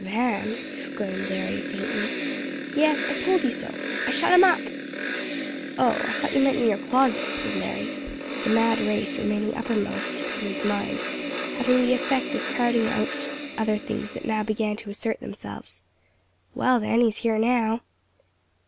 "Van!" exclaimed Larry, faintly. "Yes, I told you so. I shut him up." "Oh, I thought you meant in your closet," said Larry, the mad race remaining uppermost in his mind to the effect of crowding out other things that now began to assert themselves. "Well, then, he's here now."